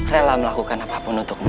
rela melakukan apapun untukmu